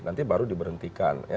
nanti baru diberhentikan